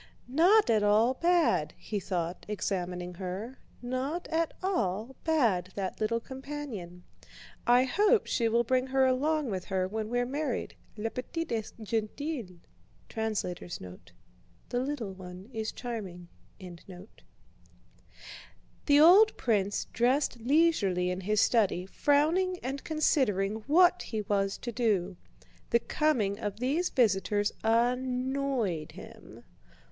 "Not at all bad!" he thought, examining her, "not at all bad, that little companion! I hope she will bring her along with her when we're married, la petite est gentille." The little one is charming. The old prince dressed leisurely in his study, frowning and considering what he was to do. The coming of these visitors annoyed him.